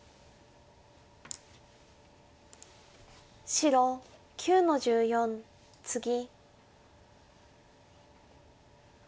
白９の十四ツギ。